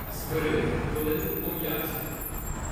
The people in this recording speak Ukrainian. Свирид хвилинку пом'явся.